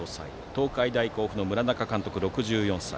東海大甲府の村中監督、６４歳。